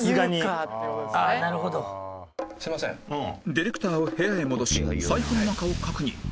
ディレクターを部屋へ戻し財布の中を確認